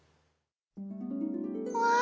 うわ！